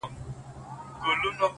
خداى دي كړي خير ياره څه سوي نه وي!!